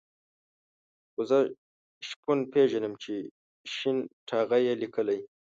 خو زه شپون پېژنم چې شين ټاغی یې لیکلی.